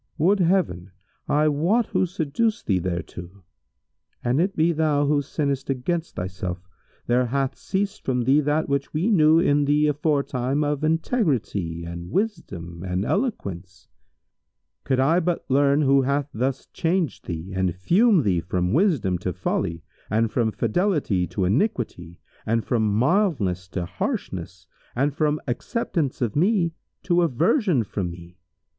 Would Heaven I wot who seduced thee thereto! An it be thou who sinnest against thyself, there hath ceased from thee that which we knew in thee aforetime of integrity and wisdom and eloquence. Could I but learn who hath thus changed thee and fumed thee from wisdom to folly and from fidelity to iniquity and from mildness to harshness and from acceptation of me to aversion from me!